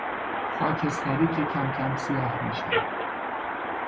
خاکستری که کم کم سیاه میشود